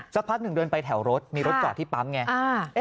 สักพักหนึ่งเดินไปแถวรถมีรถจอดที่ปั๊มไง